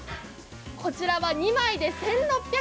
こちらは２枚で１６００円。